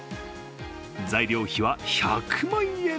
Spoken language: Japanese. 材料費は１００万円！